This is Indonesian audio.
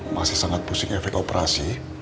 masih sangat pusing efek operasi